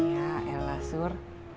ya elah sur